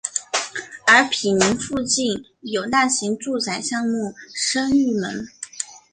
而毗邻附近有大型住宅项目升御门。